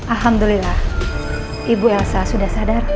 alhamdulillah ibu elsa sudah sadar